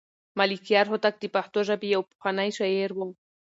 ملکیار هوتک د پښتو ژبې یو پخوانی شاعر دی.